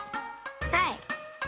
はい！